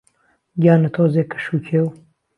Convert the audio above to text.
گیانه تۆزی کهش و کێو